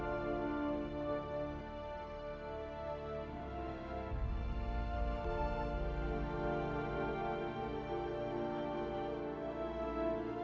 rancanganmu udah selesai